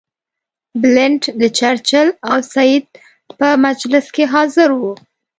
بلنټ د چرچل او سید په مجلس کې حاضر وو.